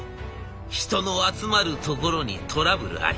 人の集まる所にトラブルあり。